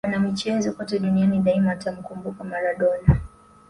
wanamichezo kote duniani daima watamkumbuka maradona